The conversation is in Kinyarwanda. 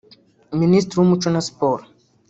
Ministiri w’Umuco na Siporo